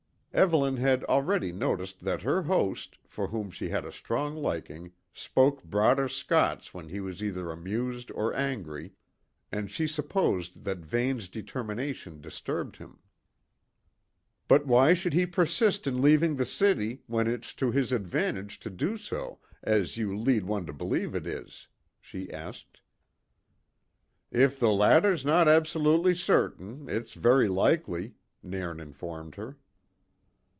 Evelyn had already noticed that her host, for whom she had a strong liking, spoke broader Scots when he was either amused or angry, and she supposed that Vane's determination disturbed him. "But why should he persist in leaving the city, when it's to his disadvantage to do so, as you lead one to believe it is?" she asked. "If the latter's no absolutely certain, it's very likely," Nairn informed her.